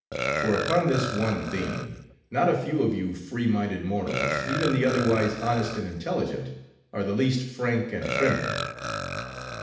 For upon this one theme, not a few of you free minded mortals, even the otherwise honest and intelligent, are the least frank and friendly.